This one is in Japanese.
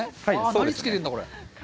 何漬けてるんだ、これ。